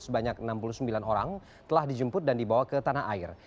sebanyak enam puluh sembilan orang telah dijemput dan dibawa ke tanah air